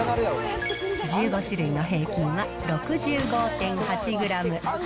１５種類の平均は６５．８グラム。